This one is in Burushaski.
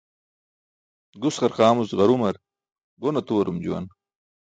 Gus qarqaamuc ġarumar gon atuwarum juwan